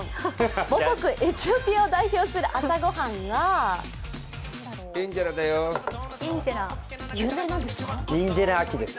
母国・エチオピアを代表する朝ごはんがインジェラ・アキです